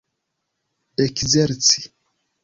ekzerci